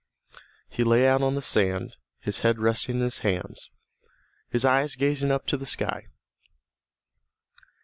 He lay out on the sand, his head resting in his hands, his eyes gazing up to the sky.